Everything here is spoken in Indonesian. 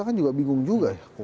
kan juga bingung juga ya